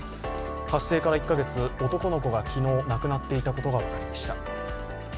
発生から１カ月、男の子が昨日、亡くなっていたことが分かりました。